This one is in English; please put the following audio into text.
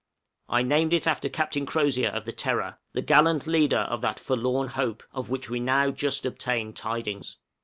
I named it after Captain Crozier of the 'Terror,' the gallant leader of that "Forlorn Hope" of which we now just obtained tidings.